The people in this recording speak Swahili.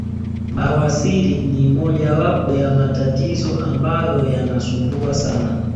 Bawasiri ni mojawapo ya matatizo ambayo yanasumbua sana